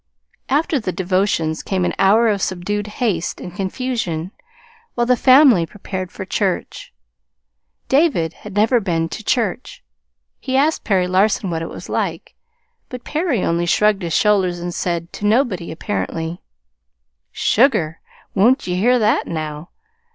After the devotions came an hour of subdued haste and confusion while the family prepared for church. David had never been to church. He asked Perry Larson what it was like; but Perry only shrugged his shoulders and said, to nobody, apparently: "Sugar! Won't ye hear that, now?"